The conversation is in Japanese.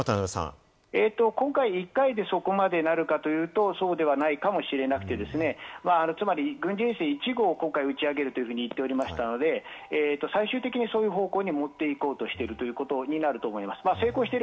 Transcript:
今回、１回でそこまでなるかというと、そうではないかもしれなくてですね、つまり軍事衛星１号を打ち上げると言っていましたので、最終的にそういう方向に持っていこうとしているということになると思います。